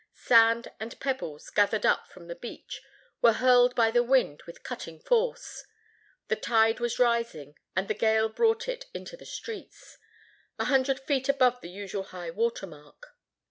Sand and pebbles, gathered up from the beach, were hurled by the wind with cutting force. The tide was rising, and the gale brought it into the streets, a hundred feet above the usual high water mark.